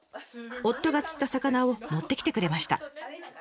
夫が釣った魚を持ってきてくれました。